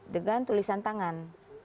dengan tulisan tangan